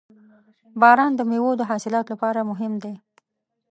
• باران د میوو د حاصلاتو لپاره مهم دی.